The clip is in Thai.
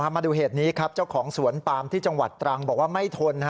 มาดูเหตุนี้ครับเจ้าของสวนปามที่จังหวัดตรังบอกว่าไม่ทน